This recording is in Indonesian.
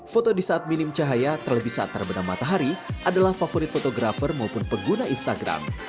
foto di saat minim cahaya terlebih saat terbenam matahari adalah favorit fotografer maupun pengguna instagram